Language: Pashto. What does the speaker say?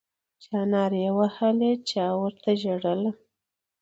چا نارې وهلې چا ورته ژړله